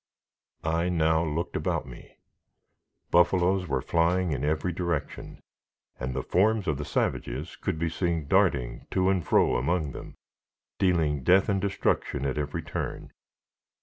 I now looked about me. Buffaloes were flying in every direction, and the forms of the savages could be seen darting to and fro among them, dealing death and destruction at every turn.